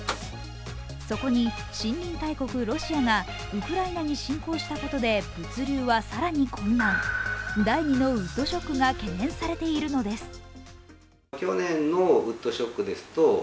そこに、森林大国ロシアがウクライナに侵攻したことで物流は更に混乱、第２のウッドショックが懸念されているのです。